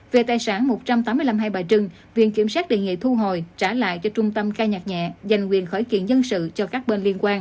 về tài sản một trăm tám mươi năm hai bà trưng viện kiểm sát đề nghị thu hồi trả lại cho trung tâm ca nhạc nhẹ dành quyền khởi kiện dân sự cho các bên liên quan